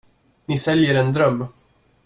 Ni säljer en dröm.